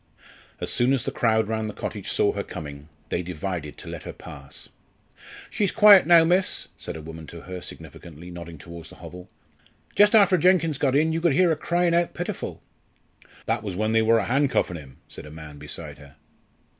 As soon as the crowd round the cottage saw her coming, they divided to let her pass. "She's quiet now, miss," said a woman to her significantly, nodding towards the hovel. "Just after Jenkins got in you could hear her crying out pitiful." "That was when they wor a handcuffin' him," said a man beside her.